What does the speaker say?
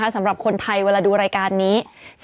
สำหรับคนไทยเวลาดูรายการนี้